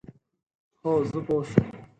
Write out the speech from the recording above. هو، زه پوه شوم،